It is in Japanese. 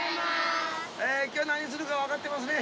「今日何するか分かってますね？